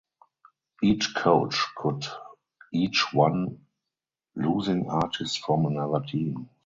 Each coach could each one losing artist from another team.